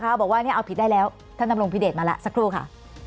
พี่เค้าบอกว่าเอาผิดได้แล้วพี่เดชน์มาล่ะสักครู่ค่ะ